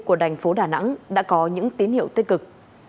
của thành phố đà nẵng đã có những tín hiệu tích cực